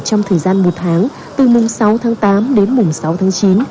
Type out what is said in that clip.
trong thời gian một tháng từ mùng sáu tháng tám đến mùng sáu tháng chín